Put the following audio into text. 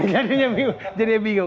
jadi dia bingung